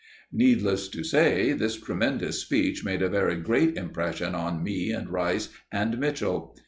Needless to say this tremendous speech made a very great impression on me and Rice and Mitchell.